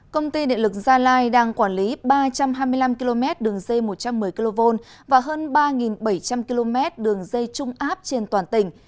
công ty điện lực gia lai đang quản lý ba trăm hai mươi năm km đường dây một trăm một mươi kv và hơn ba bảy trăm linh km đường dây trung áp trên toàn tỉnh